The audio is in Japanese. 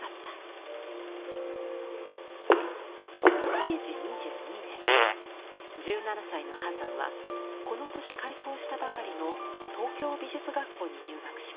明治２２年１７歳の波山はこの年開校したばかりの東京美術学校に入学します。